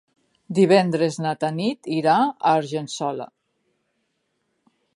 Divendres na Tanit irà a Argençola.